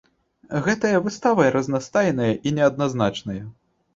Гэтая выстава разнастайная і неадназначная.